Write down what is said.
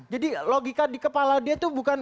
jadi logika di kepala dia itu bukan